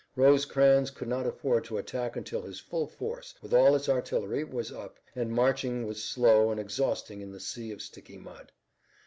Rosecrans could not afford to attack until his full force, with all its artillery, was up, and marching was slow and exhausting in the sea of sticky mud.